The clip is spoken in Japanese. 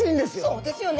そうですよね！